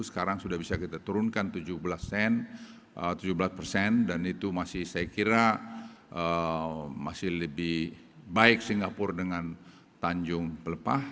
sekarang sudah bisa kita turunkan tujuh belas persen dan itu masih saya kira masih lebih baik singapura dengan tanjung pelepah